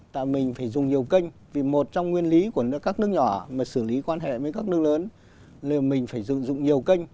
tại mình phải dùng nhiều kênh vì một trong nguyên lý của các nước nhỏ mà xử lý quan hệ với các nước lớn là mình phải sử dụng nhiều kênh